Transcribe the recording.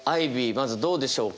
まずどうでしょうか？